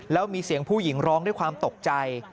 แล้วมีเสียงผู้หญิงร้องด้วยความตกใจ